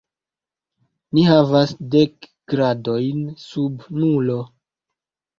Ni havas dek gradojn sub nulo.